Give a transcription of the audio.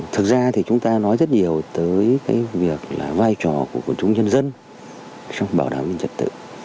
thực ra thì chúng ta nói rất nhiều tới cái việc là vai trò của quân chúng nhân dân trong bảo đảm an ninh trật tự